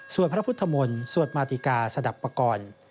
ส่วนพระพุทธมนต์สวดมาติกาสดับปกรณ์